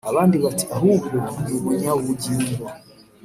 abandi bati ahubwo numunyabugingo.